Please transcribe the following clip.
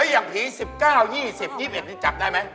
อย่างผี๑๙๒๐๒๑นี่จับได้ไหม